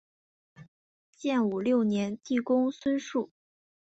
建武六年帝公孙述。